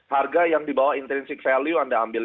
harga yang di bawah intensic value anda ambil